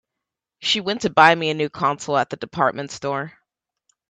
She went to buy me a new console at the department store.